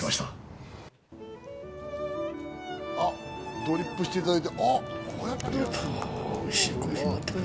ドリップしていただいて。